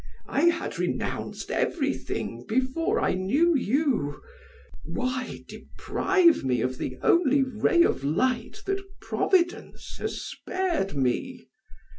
I had renounced everything before I knew you; why deprive me of the only ray of light that Providence has spared me?